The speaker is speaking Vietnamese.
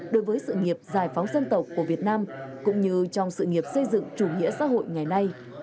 đối với sự nghiệp giải phóng dân tộc của việt nam cũng như trong sự nghiệp xây dựng chủ nghĩa xã hội ngày nay